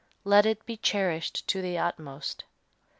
Let it be cherished to the utmost.